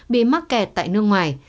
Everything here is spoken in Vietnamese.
bị mắc kẹt tại nước ngoài